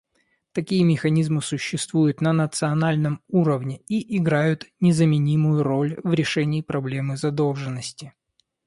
Такие механизмы существуют на национальном уровне и играют незаменимую роль в решении проблемы задолженности.